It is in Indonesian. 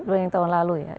dibanding dengan tahun lalu ya